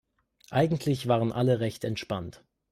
Eigentlich waren alle recht entspannt.